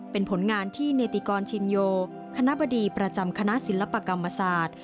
เป็นผลงานที่เนติกรชินโยคณะบดีประจำคณะศิลปกรรมศาสตร์